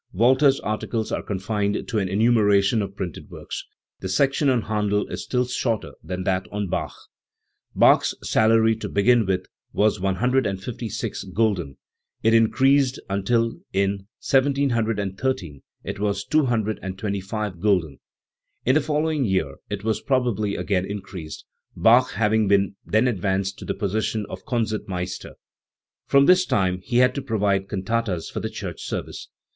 Walther's articles are confined to an enumeration of printed works. The section on Handel is still shorter than that on Bach. Bach's salary to begin with was 156 gulden; it increased until in 1713 it was 225 gulden. In the following year it was probably again increased, Bach having been then advanced to the position of Konzertmeister. From this time he had to provide cantatas for the church service.